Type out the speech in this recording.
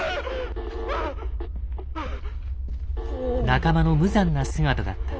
仲間の無残な姿だった。